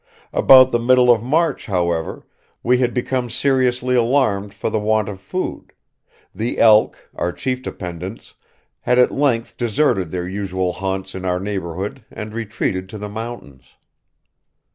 About the middle of March, however, we had become seriously alarmed for the want of food; the elk, our chief dependence, had at length deserted their usual haunts in our neighborhood and retreated to the mountains.